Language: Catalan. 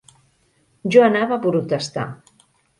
Jo anava a protestar.